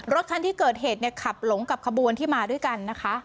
รถคันที่เกิดเหตุเนี่ยขับหลงกับขบวนที่มาด้วยกันนะคะ